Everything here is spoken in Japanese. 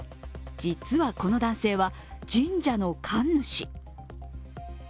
実はこの男性は神社の神主。